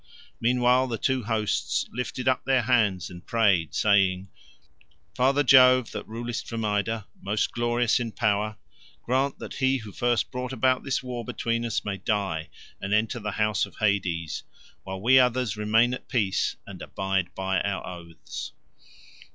Meanwhile the two hosts lifted up their hands and prayed saying, "Father Jove, that rulest from Ida, most glorious in power, grant that he who first brought about this war between us may die, and enter the house of Hades, while we others remain at peace and abide by our oaths."